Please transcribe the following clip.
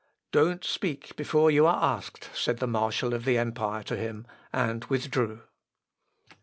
"Don't speak before you are asked," said the marshal of the empire to him and withdrew.